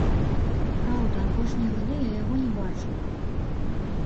Праўда, апошнія гады я яго не бачыў.